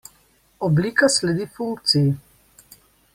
Oblika sledi funkciji.